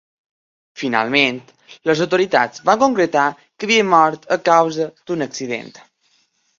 Finalment, les autoritats van concretar que havia mort a causa d'un accident.